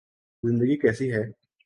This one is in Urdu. زندگی کیسی ہے